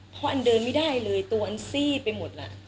เพราะอันเดินไม่ได้เลยตัวอันซี่ไปหมดล่ะ